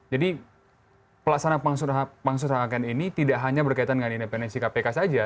jadi pelaksanaan pansus rangkaian ini tidak hanya berkaitan dengan independensi kpk saja